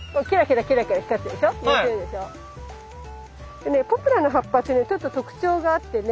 でねポプラの葉っぱってねちょっと特徴があってね。